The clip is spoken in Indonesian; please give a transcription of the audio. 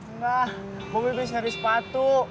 enggak bobi beli seri sepatu